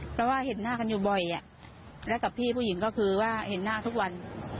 เพราะว่าเห็นหน้ากันอยู่บ่อยและกับพี่ผู้หญิงก็คือว่าเห็นหน้าทุกวัน